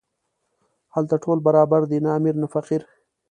هلته ټول برابر دي، نه امیر نه فقیر.